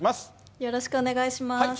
よろしくお願いします。